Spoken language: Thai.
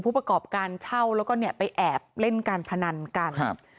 ผู้ประกอบการเช่าแล้วก็ไปแอบเล่นการพนันกัน